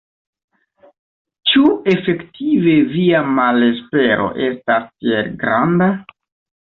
Ĉu efektive via malespero estas tiel granda?